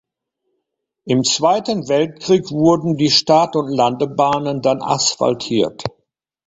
Im Zweiten Weltkrieg wurden die Start- und Landebahnen dann asphaltiert.